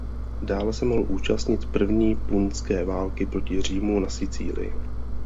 Dále se mohl účastnit první punské války proti Římu na Sicílii.